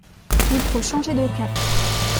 Il faut changer de cap